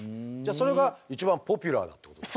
それが一番ポピュラーだってことですか。